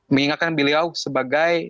mengingatkan beliau sebagai